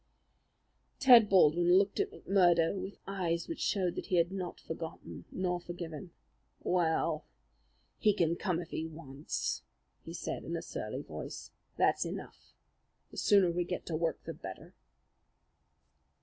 Ted Baldwin looked at McMurdo with eyes which showed that he had not forgotten nor forgiven. "Well, he can come if he wants," he said in a surly voice. "That's enough. The sooner we get to work the better."